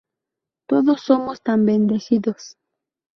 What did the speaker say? Todos somos tan bendecidos.